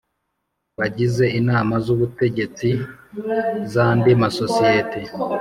bagize Inama z Ubutegetsi z andi masosiyete